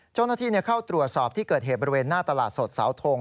เจ้าหน้าที่เข้าตรวจสอบที่เกิดเหตุบริเวณหน้าตลาดสดเสาทง